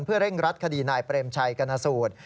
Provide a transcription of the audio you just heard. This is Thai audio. เพื่อเร่งรัดคดีนายเปรมชัยกรณสูตร